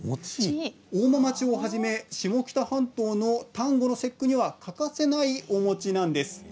大間町をはじめ下北半島の端午の節句には欠かせないお餅なんです。